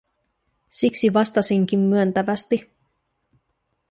Siksi vastasinkin myöntävästi: